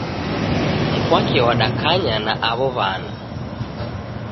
Mkwake wadakanya na aw'o w'ana